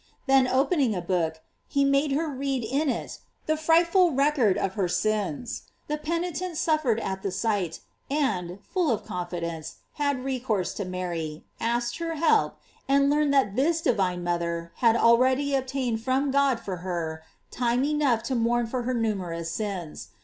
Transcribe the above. Then opening a book, AQ made her read in it the frightful record of her sins. The pentitent shuddered at the sight, and, full of confidence, had recourse to Mary, asked her help, and learned that this divine mother had already obtained from God for her time enough to mourn for her numerous sins.